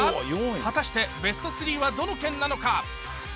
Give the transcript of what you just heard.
果たしてベスト３はどの県なのか？